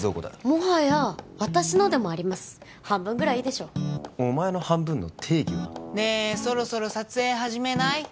もはや私のでもあります半分ぐらいいいでしょお前の半分の定義は？ねえそろそろ撮影始めない？